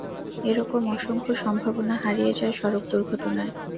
এ রকম অসংখ্য সম্ভাবনা হারিয়ে যায় সড়ক দুর্ঘটনায়।